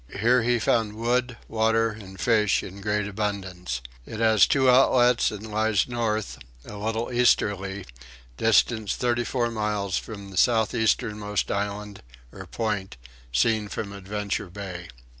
Here he found wood, water, and fish in great abundance. It has two outlets and lies north, a little easterly, distant 34 miles from the south easternmost island, or point, seen from Adventure Bay.